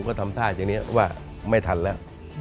ก็ทำท่าอย่างนี้ว่าไม่ทันแล้ว